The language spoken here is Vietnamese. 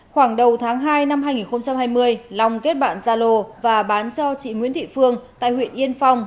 khoảng đầu tháng hai năm hai nghìn hai mươi long kết bạn gia lô và bán cho chị nguyễn thị phương tại huyện yên phong